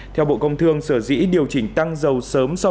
theo bộ công thương sở dĩ điều chỉnh tăng dầu sớm sau